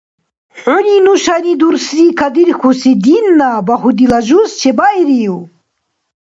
Хӏуни нушани дурсри кадирхьуси динна багьудила жуз чебаирив?